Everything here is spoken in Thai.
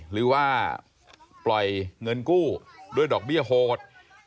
หรือว่าปล่อยเงินกู้ด้วยดอกเบี้ยโหด